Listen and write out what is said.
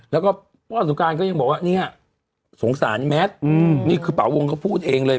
แล้วก็พ่อสงการก็ยังบอกว่าเนี่ยสงสารแมทนี่คือป่าวงเขาพูดเองเลย